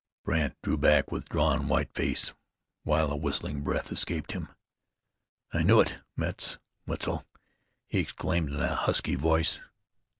Brandt drew back with drawn, white face, while a whistling breath escaped him. "I knew it, Metz. Wetzel!" he exclaimed in a husky voice.